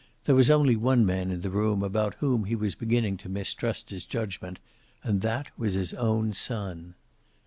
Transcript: There was only one man in the room about whom he was beginning to mistrust his judgment, and that was his own son.